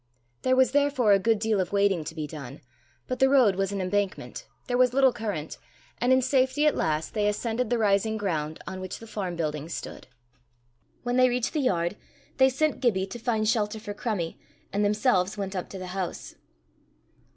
There was therefore a good deal of wading to be done; but the road was an embankment, there was little current, and in safety at last they ascended the rising ground on which the farm building stood. When they reached the yard, they sent Gibbie to find shelter for Crummie, and themselves went up to the house.